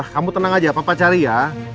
kamu tenang aja papa cari ya